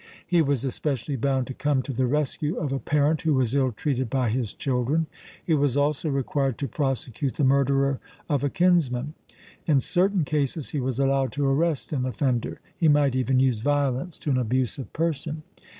He was especially bound to come to the rescue of a parent who was ill treated by his children. He was also required to prosecute the murderer of a kinsman. In certain cases he was allowed to arrest an offender. He might even use violence to an abusive person.